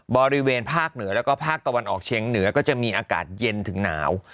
บริเวณภาคเหนือแล้วก็ภาคตะวันออกเชียงเหนือก็จะมีอากาศเย็นถึงหนาว